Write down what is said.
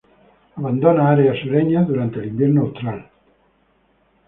Abandona áreas sureñas durante el invierno austral.